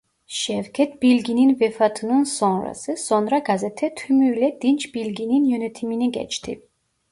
Şevket Bilgin'in vefatının sonrası sonra gazete tümüyle Dinç Bilgin'in yönetimine geçti.